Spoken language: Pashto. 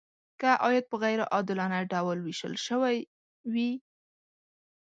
که عاید په غیر عادلانه ډول ویشل شوی وي.